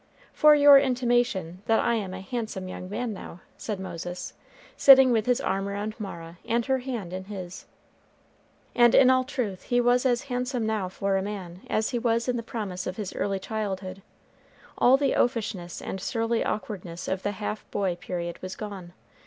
"For your intimation that I am a handsome young man now," said Moses, sitting with his arm around Mara, and her hand in his. And in truth he was as handsome now for a man as he was in the promise of his early childhood. All the oafishness and surly awkwardness of the half boy period was gone.